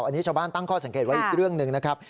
อันนี้ชาวบ้านตั้งข้อสังเกตไว้อีกเรื่องหนึ่งนะครับ